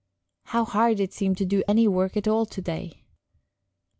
How hard it seemed to do any work at all to day!